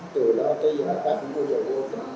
từ đó tới giờ bác cũng vui vẻ vui vẻ